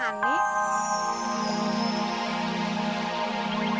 pengen kembali ke rumahnya